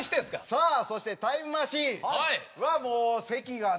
さあそしてタイムマシーンはもう関がね。